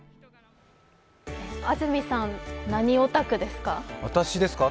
安住さん、何オタクですか？